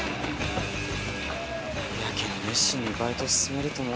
やけに熱心にバイト勧めると思ったら。